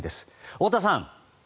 太田さん。